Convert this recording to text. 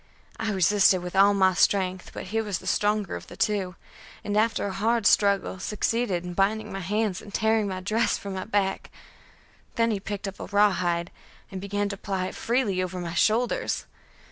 I resisted with all my strength, but he was the stronger of the two, and after a hard struggle succeeded in binding my hands and tearing my dress from my back. Then he picked up a rawhide, and began to ply it freely over my shoulders.